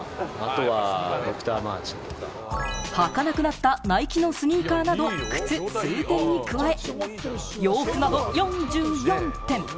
履かなくなったナイキのスニーカーなど、靴数点に加え、洋服など４４点。